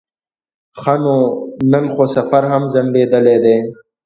ښه نو نن خو سفر هم ځنډېدلی.